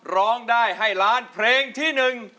ร้องได้ให้ล้านเพลงที่หนึ่ง